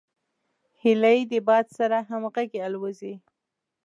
هیلۍ د باد سره همغږي الوزي